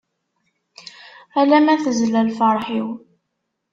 Ala ma tezla lferḥ-iw.